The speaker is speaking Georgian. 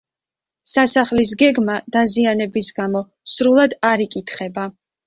სასახლის გეგმა, დაზიანების გამო, სრულად არ იკითხება.